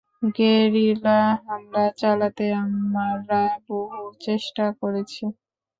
Guerrilla হামলা চালাতে আমরা বহু চেষ্টা করেছি।